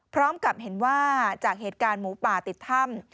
พร้อมกับเห็นว่าจากเหตุการณ์หมูป่าติดถ้ำ